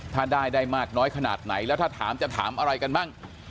ถ้าได้ได้มากน้อยขนาดไหนแล้วถ้าถามจะถามอะไรกันบ้าง